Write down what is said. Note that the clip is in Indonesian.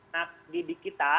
nak didik kita